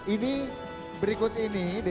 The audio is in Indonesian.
ini berikut ini